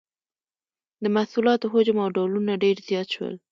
د محصولاتو حجم او ډولونه ډیر زیات شول.